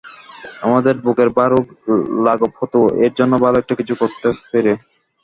আমাদের বুকের ভারও লাঘব হতো—ওর জন্য ভালো একটা কিছু করতে পেরে।